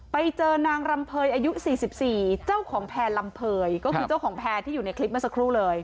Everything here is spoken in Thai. ไปเจอนางรำเภยอายุ๔๔เจ้าของแพร่ลำเภยก็คือเจ้าของแพร่ที่อยู่ในคลิปเมื่อสักครู่เลย